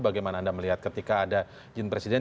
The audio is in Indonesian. bagaimana anda melihat ketika ada izin presiden